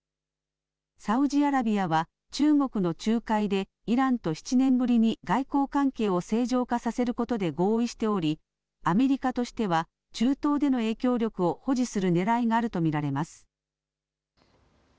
サウジアラビアは中国の仲介でイランと７年ぶりに外交関係を正常化させることで合意しておりアメリカとしては中東での影響力を保持するねらいがあると見られます。